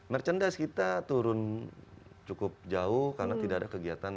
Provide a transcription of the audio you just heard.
merchandise kita turun cukup jauh karena tidak ada kegiatan